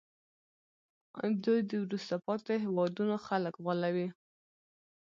دوی د وروسته پاتې هېوادونو خلک غولوي